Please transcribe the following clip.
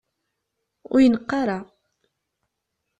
Ur yi-neqq ara!